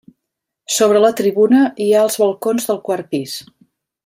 Sobre la tribuna hi ha els balcons del quart pis.